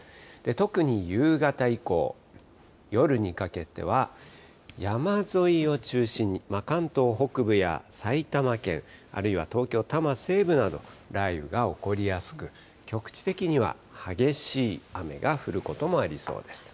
特に夕方以降、夜にかけては山沿いを中心に、関東北部や埼玉県、あるいは東京・多摩西部など雷雨が起こりやすく、局地的には激しい雨が降ることもありそうです。